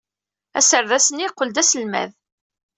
Aserdas-nni yeqqel d aselmad.